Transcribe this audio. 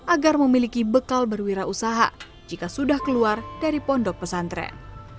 agar memiliki bekal berwirausaha jika sudah keluar dari pondok pesantren